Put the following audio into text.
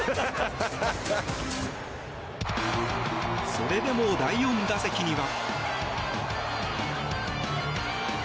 それでも、第４打席には。